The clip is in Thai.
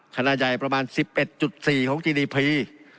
ขนาดใหญ่ประมาณ๑๑๔ของจีดีพี